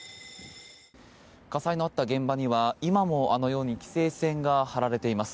火災のあった現場には今もあのように規制線が張られています。